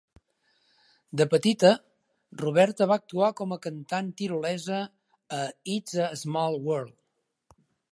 De petita, Roberta va actuar com a cantant tirolesa a "It's a Small World".